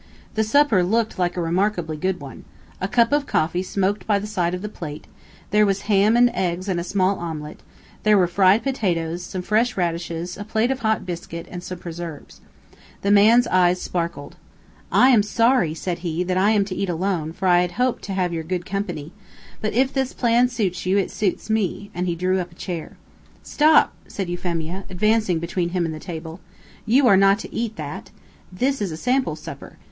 The supper looked like a remarkably good one. A cup of coffee smoked by the side of the plate; there was ham and eggs and a small omelette; there were fried potatoes, some fresh radishes, a plate of hot biscuit, and some preserves. The man's eyes sparkled. "I am sorry," said he, "that I am to eat alone, for I hoped to have your good company; but, if this plan suits you, it suits me," and he drew up a chair. "Stop!" said Euphemia, advancing between him and the table. "You are not to eat that. This is a sample supper.